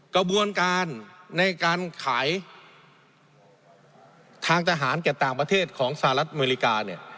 กระบวนการในการขายทางทหารแก่ต่างประเทศของสหรัฐอเมริกาเนี่ย